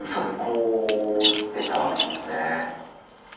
こういってたわけですね。